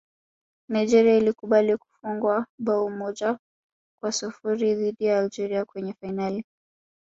nigeria ilikubali kufungwa bao moja kwa sifuri dhidi ya algeria kwenye fainali